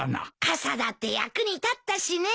傘だって役に立ったしね。